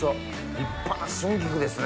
立派な春菊ですね！